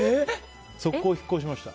速攻引っ越しました。